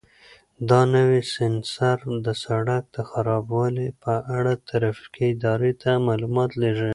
دا نوی سینسر د سړک د خرابوالي په اړه ترافیکي ادارې ته معلومات لېږي.